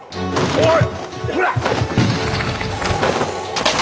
おい！